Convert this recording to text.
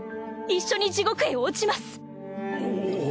一緒に地獄へ落ちます！